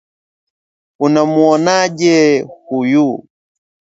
Unamuonaje huyu?